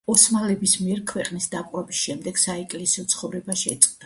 ოსმალების მიერ ქვეყნის დაპყრობის შემდეგ საეკლესიო ცხოვრება შეწყდა.